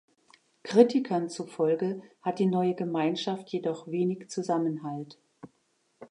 Kritikern zufolge hat die neue Gemeinschaft jedoch wenig Zusammenhalt.